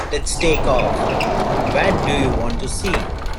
Let's take off. Where do you want to see?